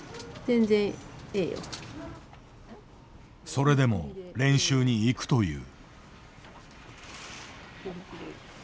それでも練習に行くという。